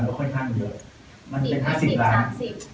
มันก็ค่อยทั้งเยอะมันเป็น๕๐๓๐ล้าน